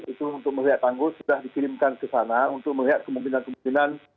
itu untuk melihat tanggul sudah dikirimkan ke sana untuk melihat kemungkinan kemungkinan